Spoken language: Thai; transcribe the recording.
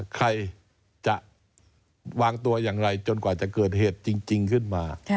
ใครจะวางตัวอย่างไรจนกว่าจะเกิดเหตุจริงขึ้นมา